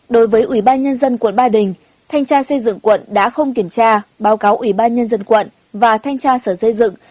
đối với ủy ban nhân dân quận ba đình thanh tra xây dựng quận đã không kiểm tra báo cáo ủy ban nhân dân quận và thanh tra sở xây dựng